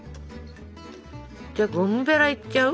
じゃあゴムベラいっちゃう？